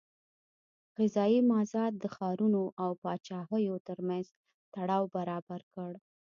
غذایي مازاد د ښارونو او پاچاهیو ترمنځ تړاو برابر کړ.